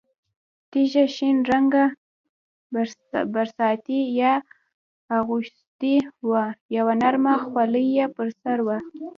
تېزه شین رنګه برساتۍ یې اغوستې وه، یوه نرمه خولۍ یې پر سر وه.